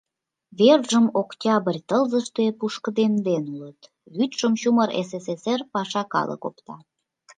Вержым октябрь тылзыште пушкыдемден улыт, вӱдшым чумыр СССР паша калык опта.